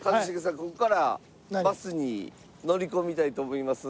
ここからバスに乗り込みたいと思いますんで。